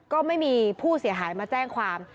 ก็ไม่มีผู้เสียหายมาแจ้งความ